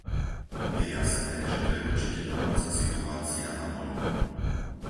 Je jasné, že to je určite domáca situácia a voľby.